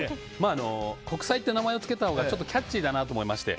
国際って名前をつけたほうがちょっとキャッチーだなと思いまして。